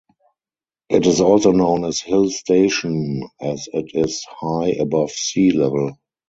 It is also known as hill station as it is high above sea level.